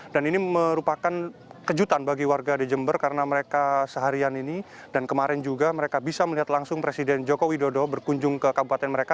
dan ini merupakan kejutan bagi warga di jember karena mereka seharian ini dan kemarin juga mereka bisa melihat langsung presiden jokowi dodo berkunjung ke kabupaten mereka